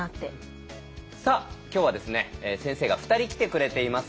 さあ今日は先生が２人来てくれています。